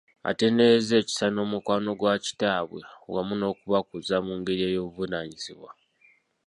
Atenderezza ekisa n'omukwano gwa kitaabwe wamu n'okubakuza mu ngeri ey'obuvunaanyizibwa.